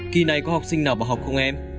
kỳ này có học sinh nào bỏ học không em